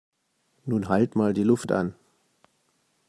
Nun halt mal die Luft an!